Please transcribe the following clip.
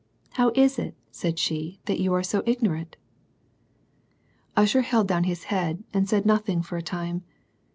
" How is it," said she " that you are so ignorant ?" Usher held down his head, and said nothing for a time.